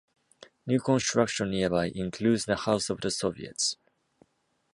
New construction nearby includes the "House of the Soviets".